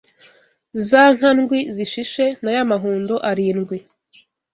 Za nka ndwi zishishe na ya mahundo arindwi